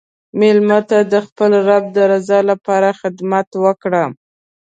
مېلمه ته د خپل رب د رضا لپاره خدمت وکړه.